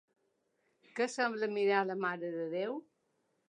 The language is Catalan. Què sembla mirar la Mare de Déu?